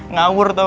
ngawur tau gak